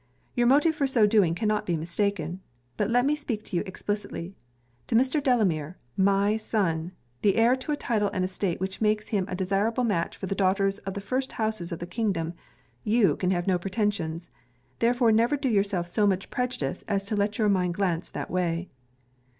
'Your motive for doing so cannot be mistaken; but let me speak to you explicitly. To Mr. Delamere, my son, the heir to a title and estate which makes him a desirable match for the daughters of the first houses in the kingdom, you can have no pretensions; therefore never do yourself so much prejudice as to let your mind glance that way.